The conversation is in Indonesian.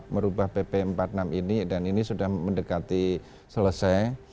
merubah pp empat puluh enam ini dan ini sudah mendekati selesai